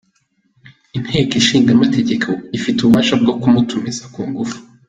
Inteko Ishinga Amategeko ifite ububasha bwo kumutumiza ku ngufu.